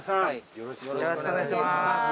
よろしくお願いします。